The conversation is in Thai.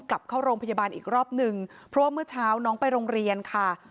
กลับเข้าโรงพยาบาลอีกรอบหนึ่งเพราะว่าเมื่อเช้าน้องไปโรงเรียนค่ะ